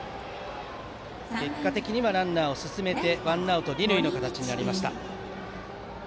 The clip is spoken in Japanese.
結果的にはランナーを進めてワンアウト二塁の形になりました。